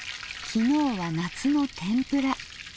昨日は夏の天ぷら。